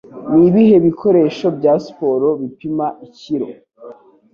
Nibihe bikoresho bya siporo bipima ikiro?